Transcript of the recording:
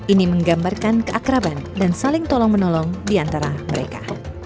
ini menggambarkan keakraban dan saling tolong menolong di antara mereka